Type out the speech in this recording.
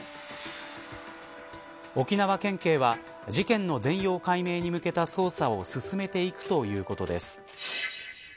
沖縄県警は事件の全容解明に向けた捜査を進めていくということです。